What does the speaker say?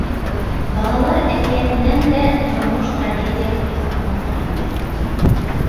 Балалар әкиәтенән дә тормош трагедияһы яһап ултыр инде.